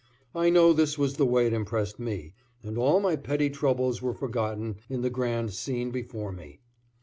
I know this was the way it impressed me, and all my petty troubles were forgotten in the grand scene before me.